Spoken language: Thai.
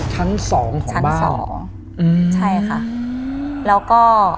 ชั้น๒ของเจ้าชั้น๒